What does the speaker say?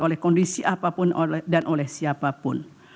oleh kondisi apapun dan oleh siapapun